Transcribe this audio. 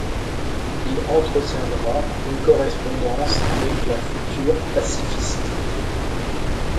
Il entretiendra une correspondance avec la future pacifiste.